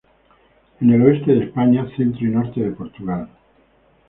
En el oeste de España, centro y norte de Portugal.